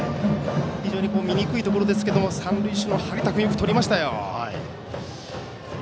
非常に見にくいところですけども三塁手の張田君よくとりましたよ。